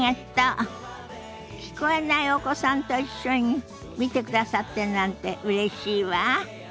聞こえないお子さんと一緒に見てくださってるなんてうれしいわ。